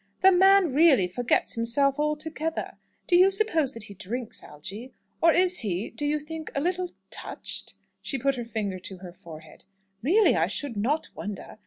"The man really forgets himself altogether. Do you suppose that he drinks, Algy? or is he, do you think, a little touched?" She put her finger to her forehead. "Really I should not wonder.